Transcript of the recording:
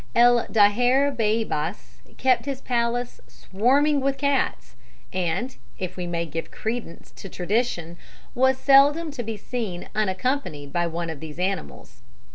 El Daher Beybas kept his palace swarming with cats, and if we may give credence to tradition was seldom to be seen unaccompanied by one of these animals.